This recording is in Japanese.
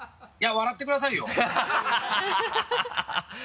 笑ってくださいよ。